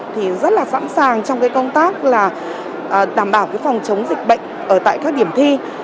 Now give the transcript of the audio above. thì rất là sẵn sàng trong cái công tác là đảm bảo phòng chống dịch bệnh ở tại các điểm thi